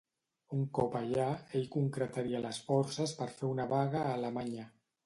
Un cop allà, ell concretaria les forces per fer una vaga a Alemanya.